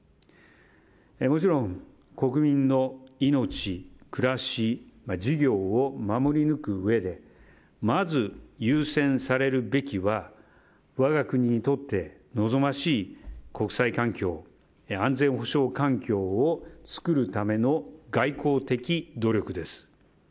もちろん国民の命、暮らし事業を守り抜くうえでまず優先されるべきは我が国にとって望ましい国際環境安全保障環境を作るための外交的努力です。